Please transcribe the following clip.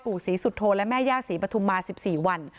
ปู่ศรีสุโธและแม่ย่าศรีปฐุมมา๑๔วัน